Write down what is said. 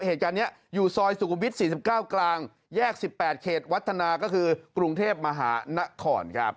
เหตุการณ์นี้อยู่ซอยสุขุมวิท๔๙กลางแยก๑๘เขตวัฒนาก็คือกรุงเทพมหานครครับ